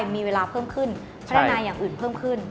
มีเวลาเพิ่มขึ้นพัฒนาอย่างอื่นเพิ่มขึ้น